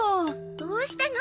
どうしたの？